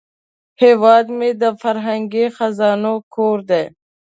هیواد مې د فرهنګي خزانو کور دی